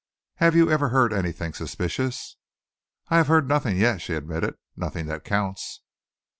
Have you ever heard anything suspicious?" "I have heard nothing yet," she admitted, "nothing that counts."